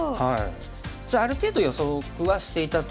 じゃあある程度予測はしていたと。